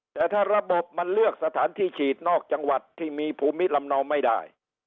แต่ถ้าระบบมันเลือกสถานที่ฉีดนอกจังหวัดที่มีภูมิลำเนาไม่ได้